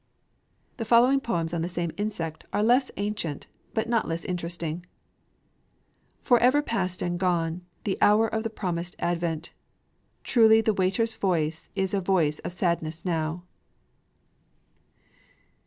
The following poems on the same insect are less ancient but not less interesting: Forever past and gone, the hour of the promised advent! Truly the Waiter's voice is a voice of sadness now!